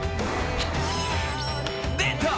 出た！